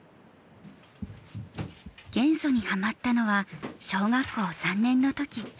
元素にハマったのは小学校３年の時。